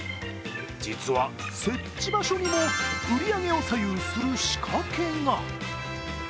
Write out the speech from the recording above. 実は設置場所にも売り上げを左右する仕掛けが。